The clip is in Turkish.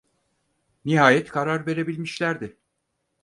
Nihayet karar verebilmişlerdi.